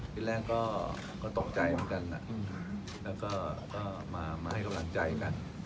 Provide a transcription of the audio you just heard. ที่แรกก็ตกใจเหมือนกันแล้วก็มาให้กำลังใจกัน